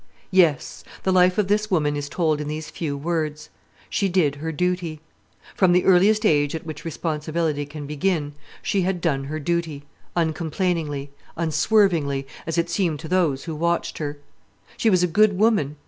Yes, the life of this woman is told in these few words: she did her duty. From the earliest age at which responsibility can begin, she had done her duty, uncomplainingly, unswervingly, as it seemed to those who watched her. She was a good woman.